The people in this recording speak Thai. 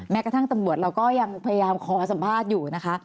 กระทั่งตำรวจเราก็ยังพยายามขอสัมภาษณ์อยู่นะคะ